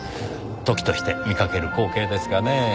時として見かける光景ですがね。